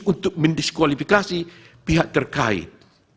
untuk mendiskualifikasi pihak terkait